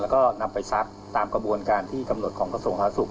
แล้วก็นำไปซักตามกระบวนการที่กำหนดของกระทรวงสาธารสุข